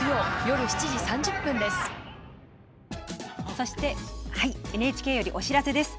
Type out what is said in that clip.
そしてＮＨＫよりお知らせです。